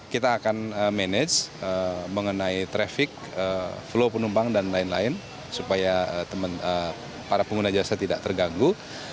kita akan manage mengenai traffic flow penumpang dan lain lain supaya para pengguna jasa tidak terganggu